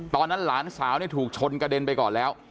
ตอนนั้นหลานสาวเนี่ยถูกชนกระเด็นไปก่อนแล้ว